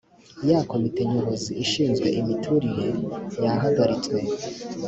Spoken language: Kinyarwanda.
ya komite nyobozi ishinzwe imiturire yahagaritswe